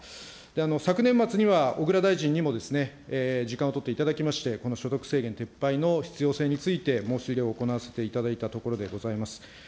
昨年末には、小倉大臣にもですね、時間を取っていただきまして、この所得制限撤廃の必要性について申し入れを行わせていただいたところでございます。